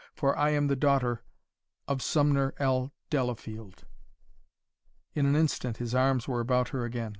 For I am the daughter of Sumner L. Delafield!" In an instant his arms were about her again.